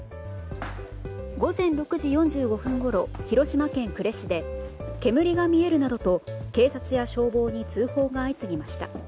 午前６時４５分ごろ広島県呉市で煙が見えるなどと警察や消防に通報が相次ぎました。